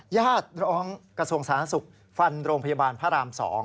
ญาติร้องกระทรวงสาธารณสุขฟันโรงพยาบาลพระราม๒